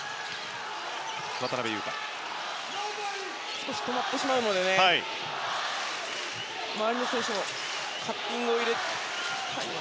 少し止まってしまうので周りの選手がカッティングを。